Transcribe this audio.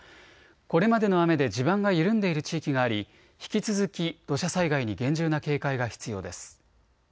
これまでの雨で地盤が緩んでいる地域があり引き続き土砂災害に厳重な警戒が必要です。